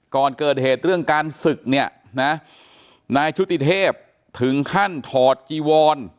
ก่อนเกิดเหตุเรื่องการศึกเนี่ยนะนายชุติเทพถึงขั้นถอดจีวอน